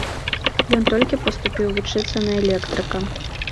Ён толькі паступіў вучыцца на электрыка.